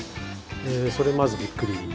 それまずびっくり。